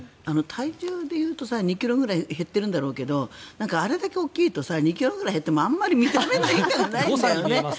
体重でいうと２ｋｇくらい減ってるんだろうけどあれだけ大きいと２ｋｇぐらい減ってもあまり見た目の変化がないんだよね。